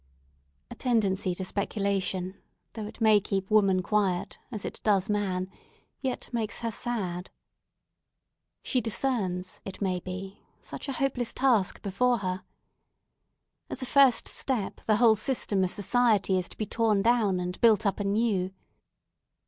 A tendency to speculation, though it may keep women quiet, as it does man, yet makes her sad. She discerns, it may be, such a hopeless task before her. As a first step, the whole system of society is to be torn down and built up anew.